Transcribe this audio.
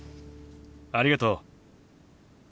ありがとう。